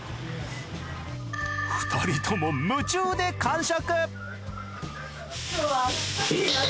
２人とも夢中で完食！